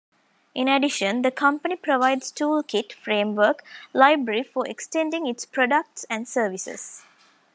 In addition, the company provides toolkit, framework, library for extending its products and services.